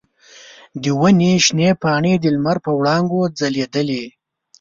د ونې شنې پاڼې د لمر په وړانګو ځلیدلې.